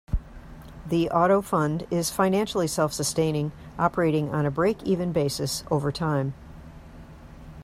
The Auto Fund is financially self-sustaining, operating on a break-even basis over time.